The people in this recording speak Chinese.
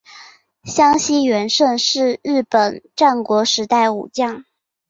香西元盛是日本战国时代武将。